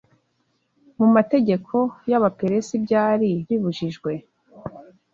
mu mategeko y’Abaperesi byari bibujijwe